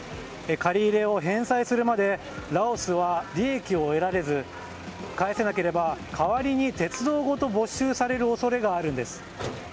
借り入れを返済するまでラオスは利益を得られず返せなければ、代わりに鉄道ごと没収される恐れがあるんです。